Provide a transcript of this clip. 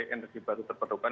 energi baru terperlukan